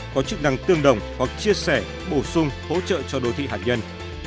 có chức năng tương đồng hoặc chia sẻ bổ sung hỗ trợ cho đô thị hạt nhân